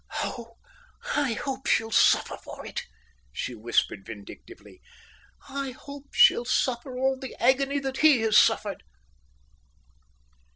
"Oh, I hope she'll suffer for it," she whispered vindictively. "I hope she'll suffer all the agony that he has suffered."